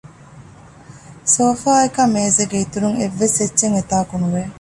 ސޯފާއަކާއި މޭޒެއްގެ އިތުރުން އެއްވެސް އެއްޗެއް އެތާކު ނުވެ